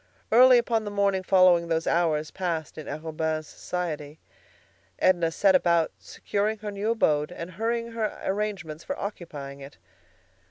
Early upon the morning following those hours passed in Arobin's society, Edna set about securing her new abode and hurrying her arrangements for occupying it.